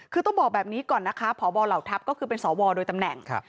คือต้องบอกแบบนี้ก่อนนะคะพบเหล่าทัพก็คือเป็นสวโดยตำแหน่ง